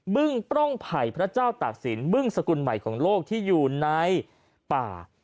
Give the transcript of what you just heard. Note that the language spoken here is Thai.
ึ้งป้องไผ่พระเจ้าตากศิลปึ้งสกุลใหม่ของโลกที่อยู่ในป่า